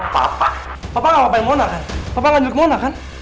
papa papa gak mau main mona kan papa gak ngajul ke mona kan